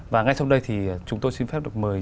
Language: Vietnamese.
và ngay sau đây thì chúng tôi xin phép được mời